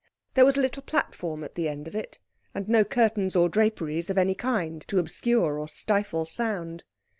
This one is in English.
There was a little platform at the end of it, and no curtains or draperies of any kind to obscure or stifle sound.